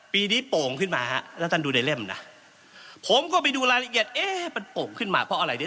ปีนี้โป่งขึ้นมาฮะแล้วท่านดูในเล่มนะผมก็ไปดูรายละเอียดเอ๊ะมันโป่งขึ้นมาเพราะอะไรดิ